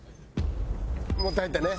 持って入ったね。